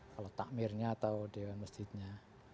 kalau takmirnya atau dewan masjidnya